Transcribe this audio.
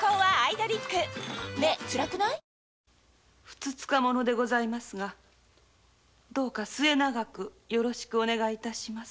ふつつかな者でございますがどうか末永くお願い致します。